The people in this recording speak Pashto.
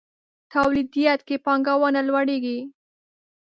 توليديت کې پانګونه لوړېږي.